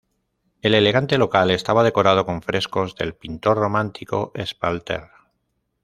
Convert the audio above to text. El elegante local estaba decorado con frescos del pintor romántico Espalter.